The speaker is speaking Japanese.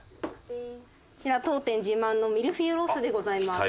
こちら当店自慢のミルフィーユロースでございます。